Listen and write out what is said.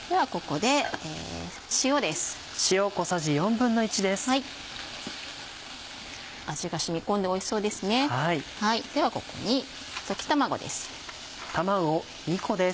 ではここに溶き卵です。